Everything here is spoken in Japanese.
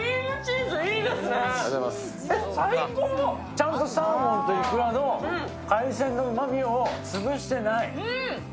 ちゃんとサーモンといくらの海鮮のうまみをつぶしてない。